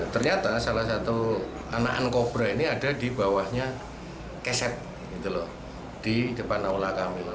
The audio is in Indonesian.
ternyata salah satu anakan kobra ini ada di bawahnya keset di depan aula kami